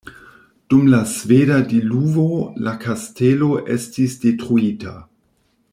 Dum la sveda diluvo la kastelo estis detruita.